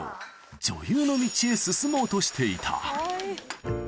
女優の道へ進もうとしていた。